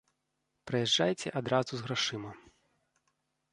Прыязджайце адразу з грашыма.